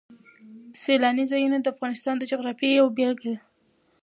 سیلاني ځایونه د افغانستان د جغرافیې یوه بېلګه ده.